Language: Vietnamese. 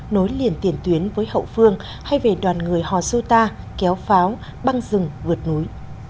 nối liền tiền tuyến với hậu phương hay về đoàn người hò sưu ta kéo pháo băng rừng vượt núi